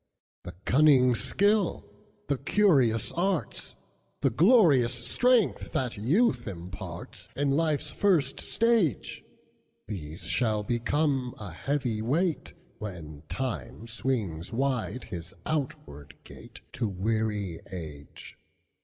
The cunning skill, the curious arts, The glorious strength that youth impartsIn life's first stage; These shall become a heavy weight, When Time swings wide his outward gateTo weary age.